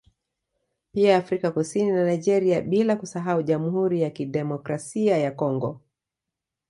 Pia Afrika Kusini na Nigeria bila kusahau Jamhuri ya Kidemikrasia ya Congo